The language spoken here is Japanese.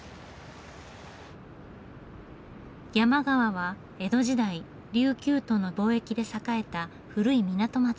山川は江戸時代琉球との貿易で栄えた古い港町です。